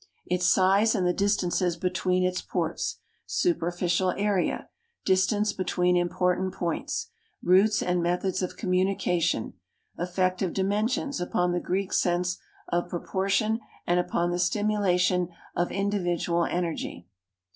Its size and the distances between its ports. Superficial area. Distance between important points. Routes and methods of communication Effect of dimensions upon the Greek sense of proportion and upon the stimulation of individual energy.